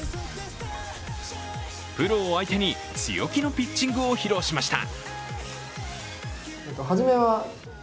プロを相手に強気のピッチングを披露しました。